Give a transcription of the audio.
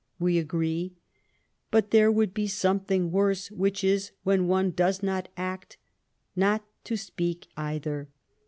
We agree. But there would be something worse, which is, when one does not act, not to speak either."